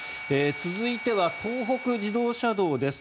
続いては東北自動車道です。